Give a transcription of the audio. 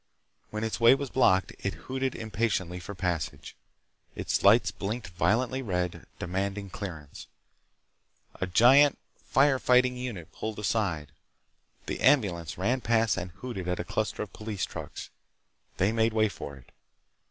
When its way was blocked, it hooted impatiently for passage. Its lights blinked violently red, demanding clearance. A giant fire fighting unit pulled aside. The ambulance ran past and hooted at a cluster of police trucks. They made way for it.